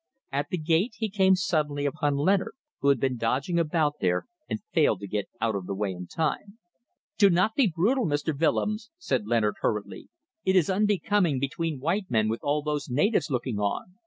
At the gate he came suddenly upon Leonard, who had been dodging about there and failed to get out of the way in time. "Do not be brutal, Mr. Willems," said Leonard, hurriedly. "It is unbecoming between white men with all those natives looking on."